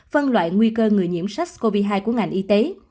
phân loại nguy cơ người nhiễm sars cov hai của ngành y tế